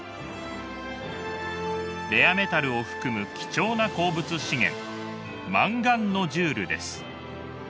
レアメタルを含む貴重な鉱物資源マンガンノジュールです。